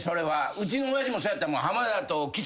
うちの親父もそうやったもん。